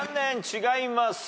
違います。